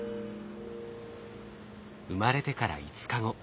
生まれてから５日後。